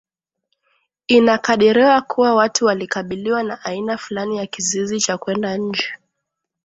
Inakadiriwa kuwa watu walikabiliwa na aina fulani ya kizuizi cha kwenda nje